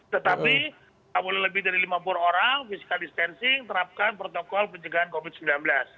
tetapi tidak boleh lebih dari lima puluh orang physical distancing terapkan protokol pencegahan covid sembilan belas